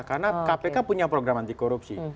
karena kpk punya program anti korupsi